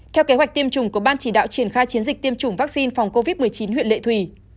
theo kế hoạch tiêm chủng của ban chỉ đạo triển khai chiến dịch tiêm chủng vaccine phòng covid một mươi chín huyện lệ thủy